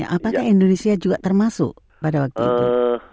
apakah indonesia juga termasuk pada waktu itu